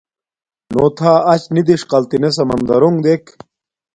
نݸ تھݳ اَچ نݵ دِݽقَلتِنݺ سَمَندَرݸݣ دݵک.